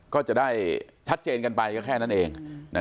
ก็จะได้ชัดเจนกันไปก็แค่นั้นเอง